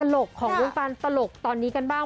ลกของวงการตลกตอนนี้กันบ้าง